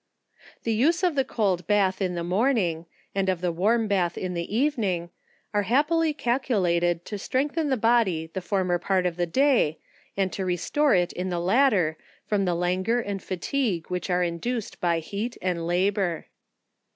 The use of the cold bath in the morning, and of the warm bath in the evening, are happily calculated to strengthen the body the former part of the day and to rc vstorc it in the latter, from the languor and fatigue which are induced by heat and labour.